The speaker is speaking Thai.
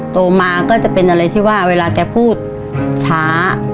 โตมาก็จะเป็นอะไรที่ว่าเวลาแกพูดช้า